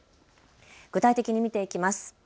具体的に見ていきます。